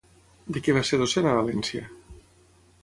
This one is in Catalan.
De què va ser docent a València?